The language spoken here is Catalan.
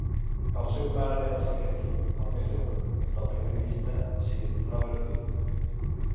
El seu pare era el cinquè fill, el més jove, del primer ministre Sir Robert Peel.